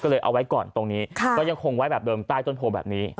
ก็เลยเอาไว้ก่อนตรงนี้ก็ยังคงไว้แบบเดิมใต้ต้นโพแบบนี้